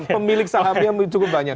pemilik sahamnya cukup banyak